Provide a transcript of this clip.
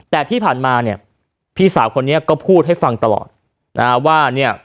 แต่ที่ผ่านมาเนี่ยพี่สาวคนนี้ก็พูดให้ฟังตลอดนะฮะว่าเนี่ย